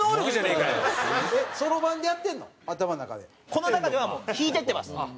この中ではもう引いてってます。